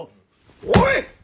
おい！